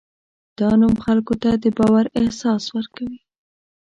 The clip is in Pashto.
دا نوم خلکو ته د باور احساس ورکوي.